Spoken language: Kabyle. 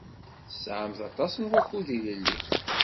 Tesɛamt aṭas n wakud ilelli.